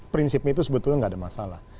prinsipnya itu sebetulnya nggak ada masalah